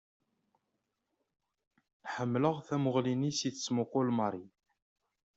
Ḥemmleɣ tamuɣli-nni s i tettmuqqul Mary.